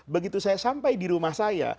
begitu saya sampai di rumah saya